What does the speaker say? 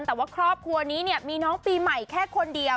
แต่ว่าครอบครัวนี้เนี่ยมีน้องปีใหม่แค่คนเดียว